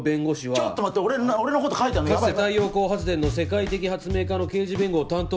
ちょっと待て俺のこと書いてんの「かつて太陽光発電の世界的発明家の刑事弁護を担当し」